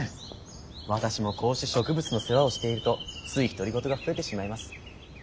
私もこうして植物の世話をしているとつい独り言が増えてしまいます。